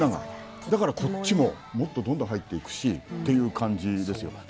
だからこっちももっとどんどん入っていくしという感じですよ。